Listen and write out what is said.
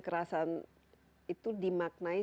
kerasan itu dimaknai